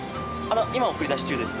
今送り出し中です。